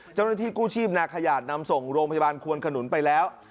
เจ้าหน้าที่กู้ชีพนาขยาดนำส่งโรงพยาบาลควนขนุนไปแล้ว